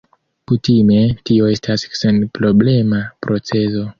Kutime, tio estas senproblema procedo.